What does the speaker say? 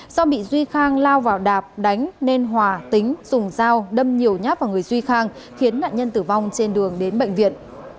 do bị duy khang lao vào đạp đánh nên hòa tính dùng dao đâm nhiều nhát vào người duy khang khiến nạn nhân tử vong trên đường đến bệnh viện